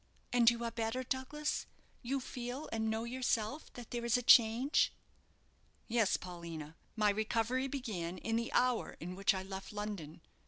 "And you are better, Douglas? You feel and know yourself that there is a change?" "Yes, Paulina. My recovery began in the hour in which I left London.